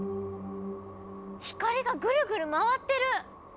光がぐるぐる回ってる！